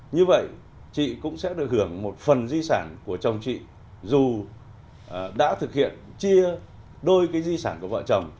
như vậy chị cũng sẽ được hưởng một phần di sản của chồng chị dù đã thực hiện chia đôi cái di sản của vợ chồng